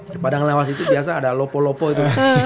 di padang lawas itu biasa ada lopo lopo itu